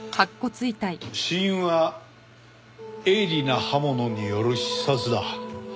死因は鋭利な刃物による刺殺だ。